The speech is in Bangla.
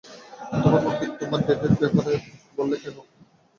তোমার বোনকে তোমার ডেটের ব্যাপারে বললে কেন?